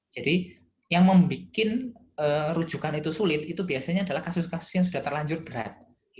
yang membuat rujukan itu sulit itu biasanya adalah kasus kasus yang sudah terlanjur berat